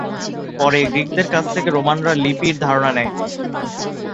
পরে গ্রিকদের কাছ থেকে রোমানরা লিপির ধারণা নেয়।